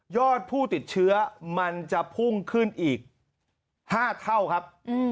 ผู้ติดเชื้อมันจะพุ่งขึ้นอีก๕เท่าครับ